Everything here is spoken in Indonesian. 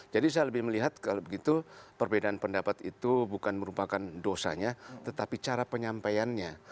jadi saya lebih melihat kalau begitu perbedaan pendapat itu bukan merupakan dosanya tetapi cara penyampaiannya